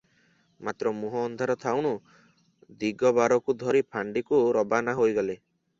ମାତ୍ର ମୁହଁ ଅନ୍ଧାର ଥାଉଣୁ ଦିଗବାରକୁ ଧରି ଫାଣ୍ଡିକୁ ରବାନା ହୋଇଗଲେ ।